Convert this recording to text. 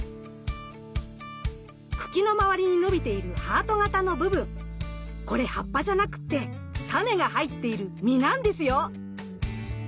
茎の周りに伸びているハート型の部分これ葉っぱじゃなくってタネが入っている実なんですよ。